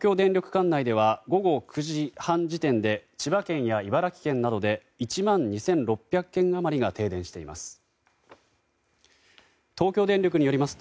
管内では午後９時半時点で千葉県や茨城県などで１万２６００軒余りが停電しています。